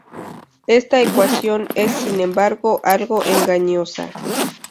Esta ecuación es sin embargo algo engañosa.